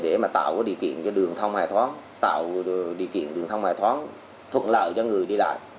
để tạo điều kiện cho đường thông hài thoáng thuộc lợi cho người đi lại